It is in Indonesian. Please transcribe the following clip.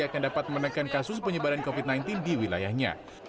akan dapat menekan kasus penyebaran covid sembilan belas di wilayahnya